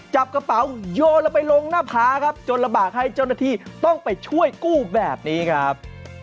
จับกระเป๋าโยนลงไปลงหน้าผาครับจนลำบากให้เจ้าหน้าที่ต้องไปช่วยกู้แบบนี้ครับ